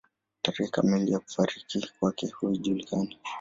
Tarehe kamili ya kufariki kwake haijulikani.